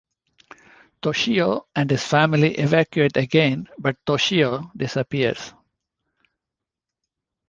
Toshio and his family evacuate again, but Toshio disappears.